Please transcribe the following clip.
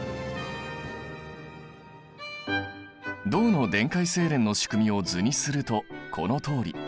銅の電解精錬の仕組みを図にするとこのとおり。